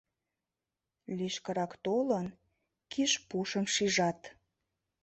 Лишкырак толын, киш пушым шижат.